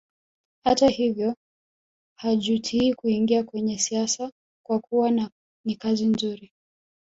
Hata hivyo hajutii kuingia kwenye siasa kwa kuwa ni kazi nzuri